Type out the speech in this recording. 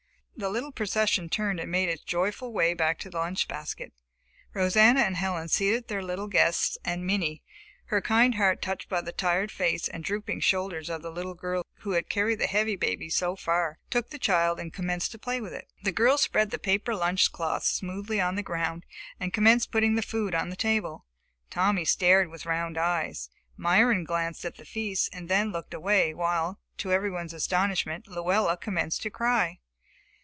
The little procession turned and made its joyful way back to the lunch basket. Rosanna and Helen seated their little guests, and Minnie, her kind heart touched by the tired face and drooping shoulders of the little girl who had carried the heavy baby so far, took the child and commenced to play with it. The girls spread the paper lunch cloth smoothly on the ground and commenced putting the food on the table. Tommy stared with round eyes. Myron glanced at the feast and then looked away while, to everyone's astonishment, Luella commenced to cry.